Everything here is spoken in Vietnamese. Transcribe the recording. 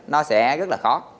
nó sẽ rất là khó